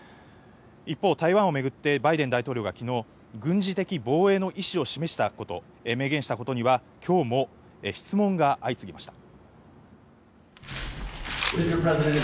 一方、台湾を巡ってバイデン大統領がきのう、軍事的防衛の意思を示したこと、明言したことには、きょうも質問が相次ぎました。